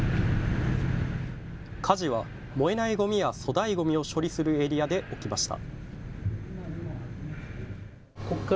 火事は燃えないごみや粗大ごみを処理するエリアで起きました。